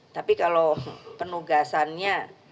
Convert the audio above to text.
tapi kalau penugasannya